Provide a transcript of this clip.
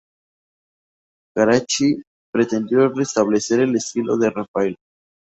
Carracci pretendió restablecer el estilo de Rafael.